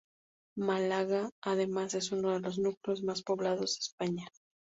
Málaga, además es uno de los núcleos más poblados de España.